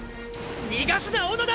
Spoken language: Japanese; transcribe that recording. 逃がすな小野田！！